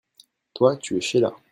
Toi, tu es Sheila.